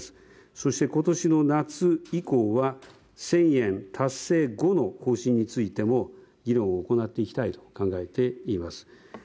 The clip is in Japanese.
そして今年の夏以降は１０００円達成後の方針についても議論を行っていきたいと思います。